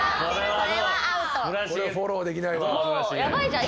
これフォローできないわ。